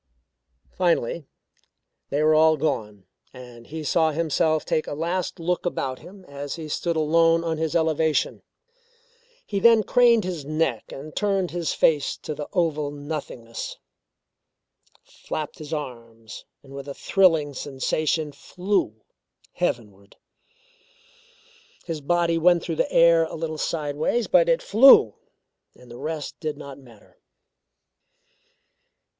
Finally they were all gone and he saw himself take a last look about him as he stood alone on his elevation. He then craned his neck and turned his face to the oval nothingness flapped his arms, and with a thrilling sensation flew heavenward. His body went through the air a little sideways but it flew, and the rest did not matter.